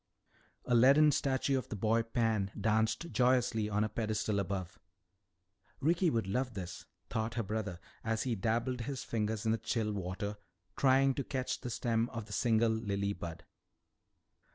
A leaden statue of the boy Pan danced joyously on a pedestal above. Ricky would love this, thought her brother as he dabbled his fingers in the chill water trying to catch the stem of the single lily bud.